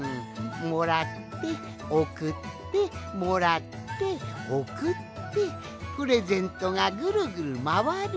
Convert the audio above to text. もらっておくってもらっておくってプレゼントがぐるぐるまわる。